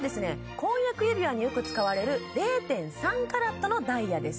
婚約指輪によく使われる０．３ｃｔのダイヤです